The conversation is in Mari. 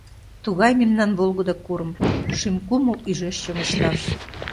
Тугай мемнан волгыдо курым: Шӱм-кумыл ӱжеш чоҥешташ…